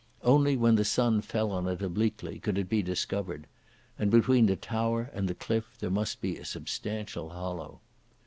Only when the sun fell on it obliquely could it be discovered. And between the tower and the cliff there must be a substantial hollow.